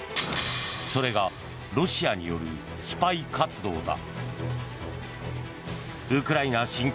それがロシアによるスパイ活動だ。